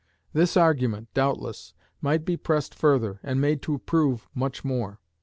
This argument, doubtless, might be pressed further, and made to prove much more.